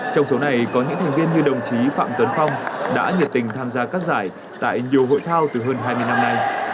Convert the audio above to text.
trong số này có những thành viên như đồng chí phạm tuấn phong đã nhiệt tình tham gia các giải tại nhiều hội thao từ hơn hai mươi năm nay